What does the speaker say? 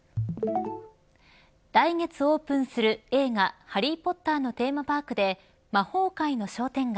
来月オープンする映画ハリー・ポッターのテーマパークで魔法界の商店街